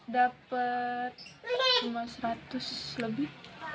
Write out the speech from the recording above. dapat cuma seratus lebih